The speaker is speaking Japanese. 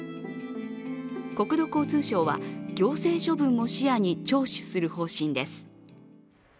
国土交通省は行政処分も視野に聴取する方針です。